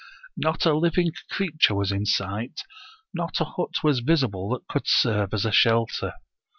Not a living creature was in sight; not a hut was visible that could serve as a shelter.